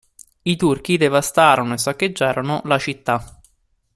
I turchi devastarono e saccheggiarono la città.